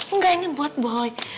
enggak ini buat boy